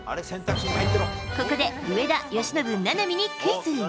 ここで上田、由伸、菜波にクイズ。